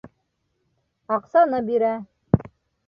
Аҡсаны бирә.